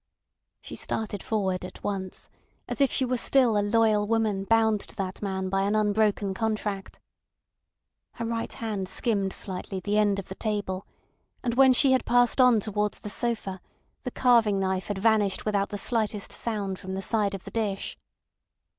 She started forward at once, as if she were still a loyal woman bound to that man by an unbroken contract. Her right hand skimmed slightly the end of the table, and when she had passed on towards the sofa the carving knife had vanished without the slightest sound from the side of the dish.